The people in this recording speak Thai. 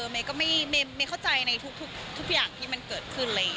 เมย์ก็ไม่เข้าใจในทุกอย่างที่มันเกิดขึ้นเลย